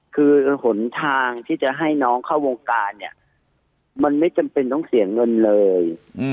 คือหนทางที่จะให้น้องเข้าวงการเนี่ยมันไม่จำเป็นต้องเสียเงินเลย